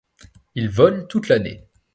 Il vole toute l'année.